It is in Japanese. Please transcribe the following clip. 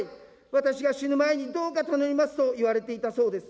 私が死ぬ前にどうか頼みますと言われていたそうです。